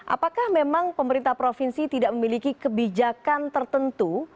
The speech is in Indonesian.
apakah memang pemerintah provinsi tidak memiliki kebijakan tertentu